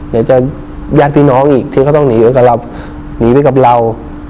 อยากจะญาติพี่น้องอีกที่เขาต้องหนีไปกับเรา